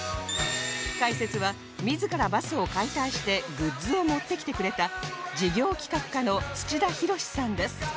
解説は自らバスを解体してグッズを持ってきてくれた事業企画課の土田宏さんです